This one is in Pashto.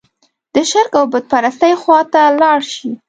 د شرک او بوت پرستۍ خوا ته لاړ شي.